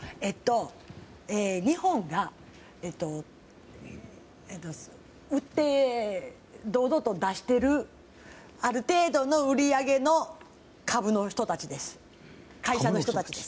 日本が売って堂々と出してるある程度の売り上げの株の人たちです。